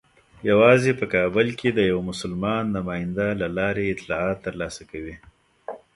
یوازې په کابل کې د یوه مسلمان نماینده له لارې اطلاعات ترلاسه کوي.